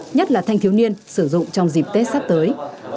nhất là thanh thiếu niên sử dụng trong dịp tết sắp tới